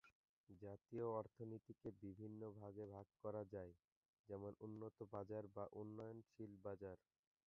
জাতীয় অর্থনীতিকে বিভিন্ন ভাগে ভাগ করা যায়, যেমন উন্নত বাজার বা উন্নয়নশীল বাজার।